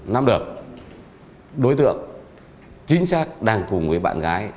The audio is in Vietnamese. nắm được đối tượng chính xác đang cùng với bạn gái